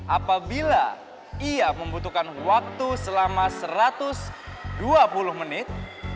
apabila ia membutuhkan waktu selama satu ratus dua puluh menit